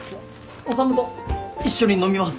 修と一緒に飲みます。